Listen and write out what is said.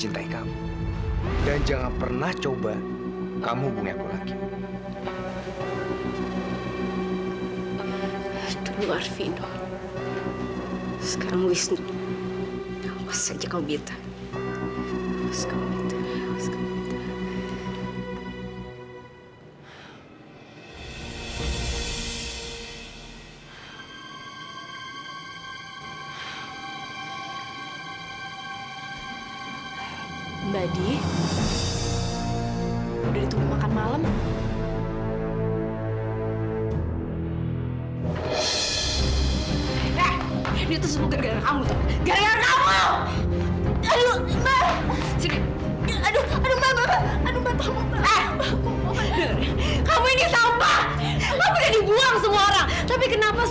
terus kamu mau apa